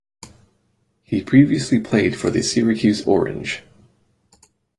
He previously played for the Syracuse Orange.